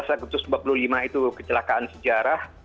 yang ke empat puluh lima itu kecelakaan sejarah